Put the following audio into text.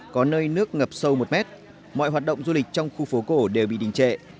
có nơi nước ngập sâu một mét mọi hoạt động du lịch trong khu phố cổ đều bị đình trệ